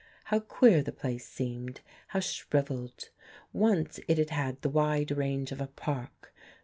How queer the place seemed! How shrivelled! Once it had had the wide range of a park.